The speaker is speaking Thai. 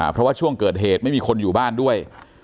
เพราะว่าช่วงเกิดเหตุไม่มีคนอยู่บ้านด้วย